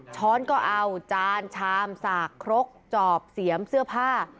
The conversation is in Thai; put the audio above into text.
ช้อนก็เอาจานชามสากครกจอบเสียมเสื้อผ้า